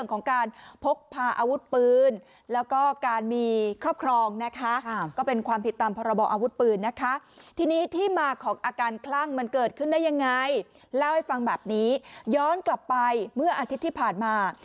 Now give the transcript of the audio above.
นายเล่าให้ฟังแบบนี้ย้อนกลับไปเมื่ออาทิตย์ที่ผ่านมา